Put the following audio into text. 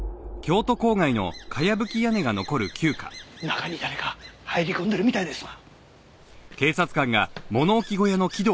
中に誰か入り込んでるみたいですわ。